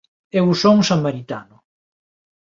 Eu son samaritano.